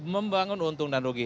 membangun untung dan rugi